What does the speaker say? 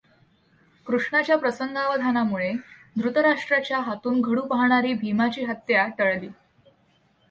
कृष्णाच्या प्रसंगावधानामुळे धृतराष्ट्राच्या हातून घडू पाहणारी भिमाची हत्या टळली.